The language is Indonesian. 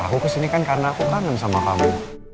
aku kesini kan karena aku kangen sama kamu